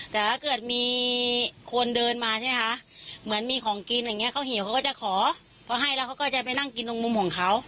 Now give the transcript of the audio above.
แต่ถ้าเกิดมีคนเดินมาใช่ไหมคะเหมือนมีของกินอย่างเงี้เขาหิวเขาก็จะขอพอให้แล้วเขาก็จะไปนั่งกินตรงมุมของเขา